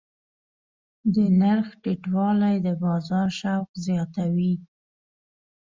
د نرخ ټیټوالی د بازار شوق زیاتوي.